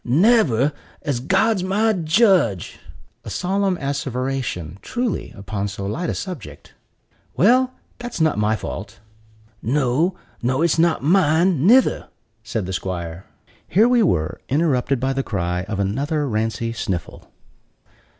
"Never, as God's my judge!" (a solemn asseveration, truly, upon so light a subject.) "Well, that's not my fault." "No, nor it's not mine, _ni_ther," said the 'squire. Here we were interrupted by the cry of another Rancey Sniffle.